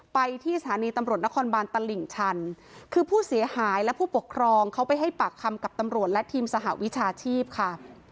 ไปที่สถานีตำรวจนครบานตลิ่งชันคือผู้เสียหายและผู้ปกครองเขาไปให้ปากคำกับตำรวจและทีมสหวิชาชีพค่ะ